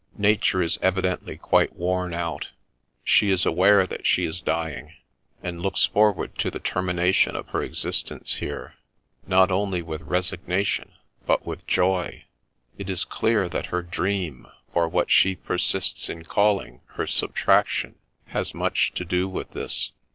Nature is evidently quite worn out ; she is aware that she is dying, and looks forward to the termination of her exist ence here, not only with resignation but with joy. It is clear that her dream, or what she persists in calling her " subtraction," has much to do with this.